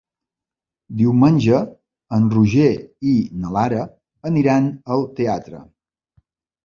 Diumenge en Roger i na Lara aniran al teatre.